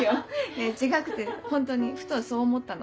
いや違くてホントにふとそう思ったの。